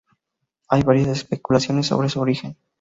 Hay varias especulaciones sobre su origen.